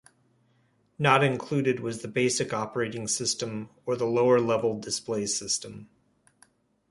Not included was the basic operating system, or the lower-level display system.